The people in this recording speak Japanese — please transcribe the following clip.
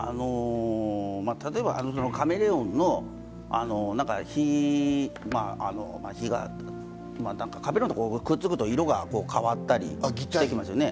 例えばカメレオンのカメレオンってくっつくと色が変わったりしますよね。